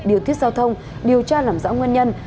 điều tiết giao thông điều tra làm rõ nguyên nhân